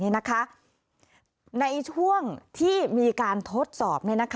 ในช่วงที่มีการทดสอบ